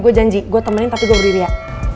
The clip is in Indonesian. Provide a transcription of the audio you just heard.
gue janji gue temenin tapi gue berdiri ya